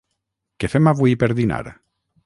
Què fem avui per dinar?